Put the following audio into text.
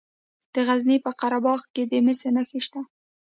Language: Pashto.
د غزني په قره باغ کې د مسو نښې شته.